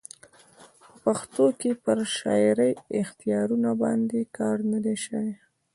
په پښتو کښي پر شعري اختیاراتو باندي کار نه دئ سوى.